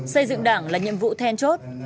xây dựng đảng là nhiệm vụ then chốt